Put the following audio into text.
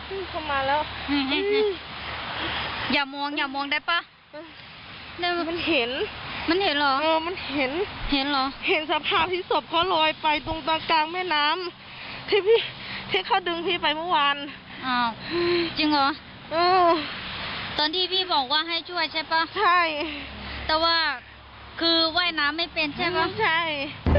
อุ้จริงหรออืมตอนที่พี่บอกว่าให้ช่วยใช่เปล่าใช่แต่ว่าคือเวาน้ำไม่เป็นใช่ปะใช่